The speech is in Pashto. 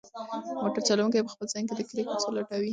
موټر چلونکی په خپل ذهن کې د کلي کوڅې لټوي.